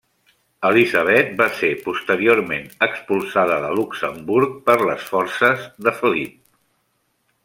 Elisabet va ser posteriorment expulsada de Luxemburg per les forces de Felip.